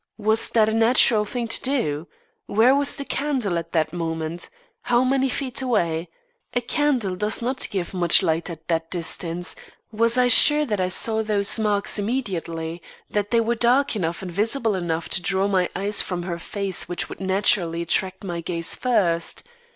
Was that a natural thing to do? Where was the candle at that moment? How many feet away? A candle does not give much light at that distance, was I sure that I saw those marks immediately; that they were dark enough and visible enough to draw my eyes from her face which would naturally attract my gaze first?